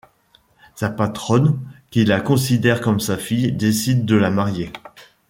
Sa patronne, qui la considère comme sa fille, décide de la marier.